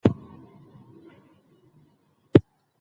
مېوې د افغان نجونو د پرمختګ لپاره فرصتونه برابروي.